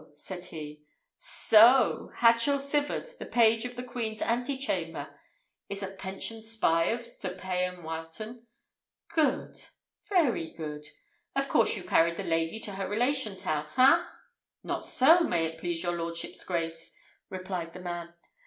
said he. "So! Hatchel Sivard, the page of the queen's ante chamber, is a pensioned spy of Sir Payan Wileton. Good! very good! Of course you carried the lady to her relation's house, ha?" "Not so, may it please your lordship's grace," replied the man.